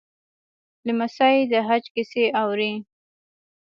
لمسی د حج کیسې اوري.